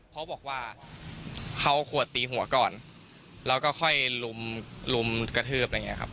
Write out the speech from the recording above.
เขาบอกว่าเขาเอาขวดตีหัวก่อนแล้วก็ค่อยลุมกระทืบอะไรอย่างนี้ครับ